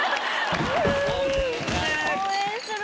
応援する！